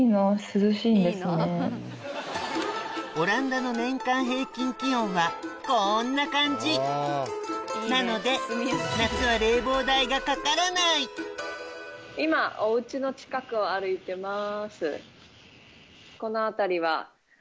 オランダの年間平均気温はこんな感じなので夏は今お家の近くを歩いてます。